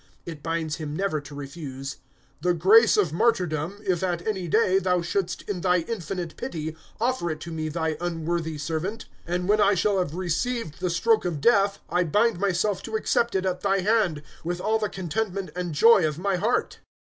It binds him never to refuse "the grace of martyrdom, if, at any day, Thou shouldst, in Thy infinite pity, offer it to me, Thy unworthy servant;" ... "and when I shall have received the stroke of death, I bind myself to accept it at Thy hand, with all the contentment and joy of my heart."